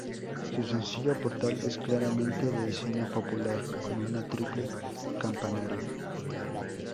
Su sencillo portal es claramente de diseño popular, con una triple campanario.